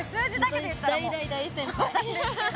大大大先輩。